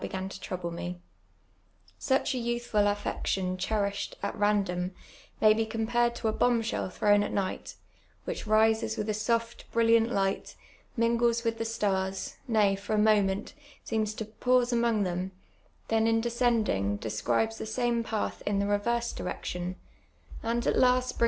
in to trouble me. Such a youthfid affection cherished at andom, may be comi)ared to a bomb shell thrown at night, ivhich rises vrith a soft brilliant light, mingles with the stars, lay, for a moment, seems to pause among them, then, in de scending, describes the same path in the reverse dirwtion, and * By this daughter he means " Ottilic " in the Elective Affinities.